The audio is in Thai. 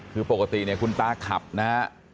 คือปกติคุณตาขับนะ